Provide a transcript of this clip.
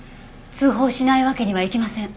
通報しないわけにはいきません。